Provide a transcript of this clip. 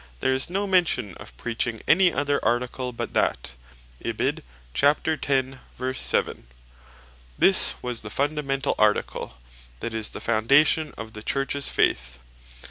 7.) there is no mention of preaching any other Article but that. This was the fundamentall Article, that is the Foundation of the Churches Faith.